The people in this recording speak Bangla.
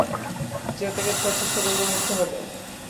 যে তাকে ছোয়ার চেষ্টা করবে, মরতে হবে।